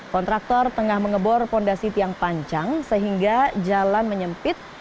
kontraktor tengah mengebor fondasi tiang panjang sehingga jalan menyempit